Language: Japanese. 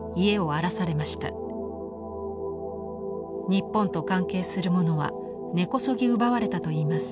日本と関係するものは根こそぎ奪われたといいます。